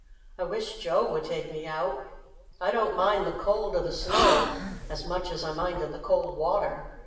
I wish Joe would take me out. I don't mind the cold of the snow as much as I minded the cold water."